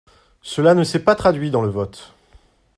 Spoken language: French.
Cela ne s’est pas traduit dans le vote.